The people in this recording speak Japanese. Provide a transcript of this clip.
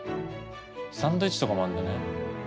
サンドイッチとかもあるんだね。